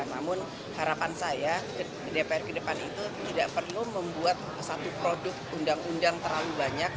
namun harapan saya dpr ke depan itu tidak perlu membuat satu produk undang undang terlalu banyak